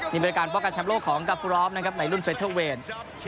นี่บริการป้องกันแชมป์โลกของกาฟุรอฟนะครับในรุ่นเฟเทอร์เวนส์